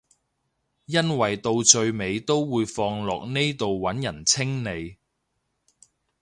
因為到最尾都會放落呢度揾人清理